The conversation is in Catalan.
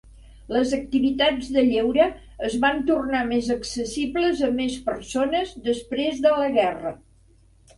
Les activitats de lleure es van tornar més accessibles a més persones després de la guerra.